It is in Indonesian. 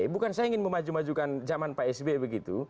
bukan saya ingin memajukan jaman pak sby begitu